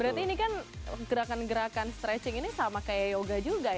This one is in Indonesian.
berarti ini kan gerakan gerakan stretching ini sama kayak yoga juga ya